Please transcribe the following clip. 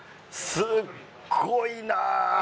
すごいな！